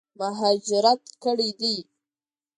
مهاجرت کړی دی.